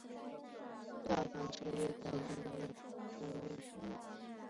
教堂大道车站列车服务。